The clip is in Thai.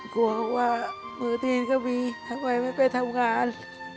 กลัวว่ามือตีนก็มีทำไมไม่ไปทำงาน